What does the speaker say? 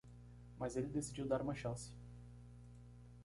Mas ele decidiu dar uma chance.